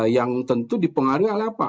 yang tentu dipengaruhi oleh apa